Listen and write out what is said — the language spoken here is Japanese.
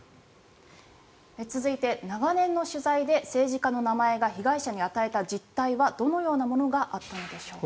続いて、長年の取材で政治家の名前が被害者に与えた実態はどのようなものがあったのでしょうか？